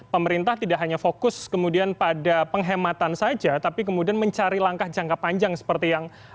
pemerintah tidak hanya fokus kemudian pada penghematan saja tapi kemudian mencari langkah jangka panjang seperti yang